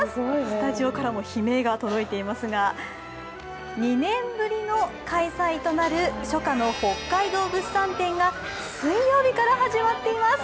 スタジオからも悲鳴が届いていますが、２年ぶりの開催となる初夏の北海道物産展が水曜日から始まっています。